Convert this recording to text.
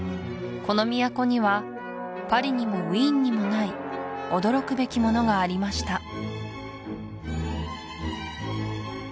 この都にはパリにもウィーンにもない驚くべきものがありました